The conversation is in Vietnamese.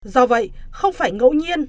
do vậy không phải ngẫu nhiên